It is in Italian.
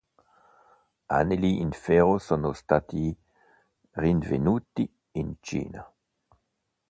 Anelli in ferro sono stati rinvenuti in Cina.